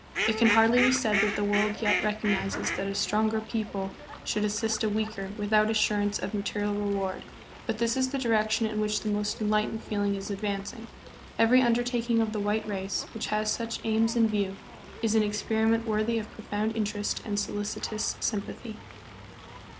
It can hardly be said that the world yet recognizes that a stronger people should assist a weaker without assurance of material reward, but this is the direction in which the most enlightened feeling is advancing. Every undertak ing of the white race, which has such aims in view, is an experiment worthy of profound interest and solicitous sympathy.